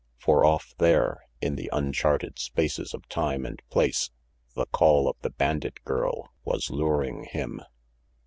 For off there, in the uncharted spaces of time and place, the call of the bandit girl was luring him.